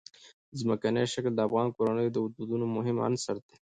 ځمکنی شکل د افغان کورنیو د دودونو مهم عنصر دی.